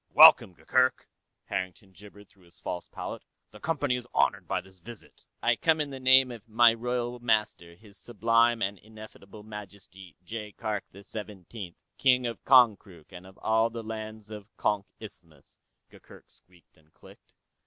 "Welcome, Gurgurk," Harrington gibbered through his false palate. "The Company is honored by this visit." "I come in the name of my royal master, His Sublime and Ineffable Majesty, Jaikark the Seventeenth, King of Konkrook and of all the lands of the Konk Isthmus," Gurgurk squeaked and clicked.